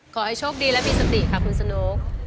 ขอให้โชคดีและมีสติค่ะคุณสนุก